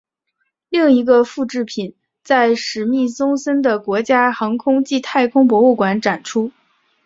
另外一个复制品在史密松森的国家航空暨太空博物馆展出。